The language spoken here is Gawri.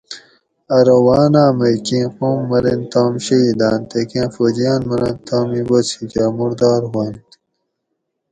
"ارو ""وانا"" مئ کیں قوم مرینت تام شہیداۤن تے کاۤں فوجیاۤن مرنت توم ئ بس ہِیکاۤ مُردار ہوانت"